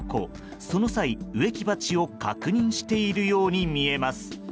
その際、植木鉢を確認しているように見えます。